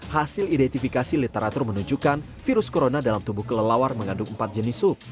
hasil identifikasi literatur menunjukkan virus corona dalam tubuh kelelawar mengandung empat jenis sub